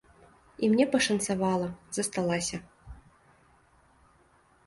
І мне пашанцавала, засталася.